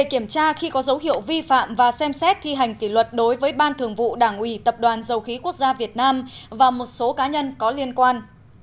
một mươi kiểm tra khi có dấu hiệu vi phạm và xem xét thi hành kỷ luật đối với ban thường vụ đảng ủy tập đoàn dầu khí quốc gia việt nam và một số cá nhân có liên quan